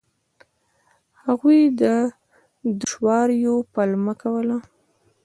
هغوی د دوشواریو پلمه کوله.